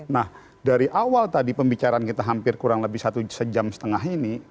nah dari awal tadi pembicaraan kita hampir kurang lebih satu jam setengah ini